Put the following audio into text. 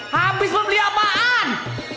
habis membeli apaan